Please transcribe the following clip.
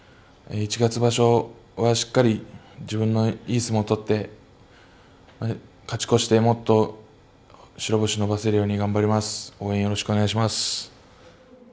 一月場所は、しっかり自分のいい相撲取って勝ち越して、もっと白星伸ばせるように頑張ります。